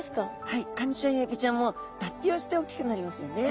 はいカニちゃんやエビちゃんも脱皮をしておっきくなりますよね。